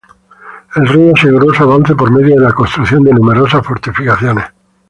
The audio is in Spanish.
El rey aseguró su avance por medio de la construcción de numerosas fortificaciones.